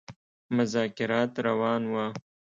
مذاکرات روان وه.